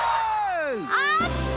あった！